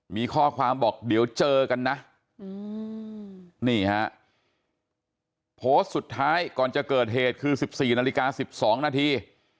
มีข้อความบอกเดี๋ยวเจอกันนะนี่ฮะโพสต์สุดท้ายก่อนจะเกิดเหตุคือ๑๔นาฬิกา๑๒นาที